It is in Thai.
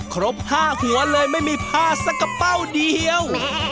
ครบ๕หัวเลยไม่มีผ้าสักกระเป้าเดียว